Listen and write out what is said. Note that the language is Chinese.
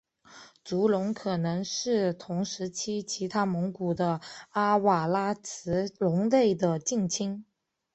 足龙可能是同时期其他蒙古的阿瓦拉慈龙类的近亲。